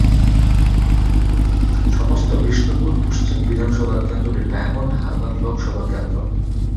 সমস্ত বিষ্ণুপুর পশ্চিম বিধানসভা কেন্দ্রটি ডায়মন্ড হারবার লোকসভা কেন্দ্র, বিষ্ণুপুর পূর্ব বিধানসভা কেন্দ্রটি যাদবপুর লোকসভা কেন্দ্র এর অন্তর্গত ছিল।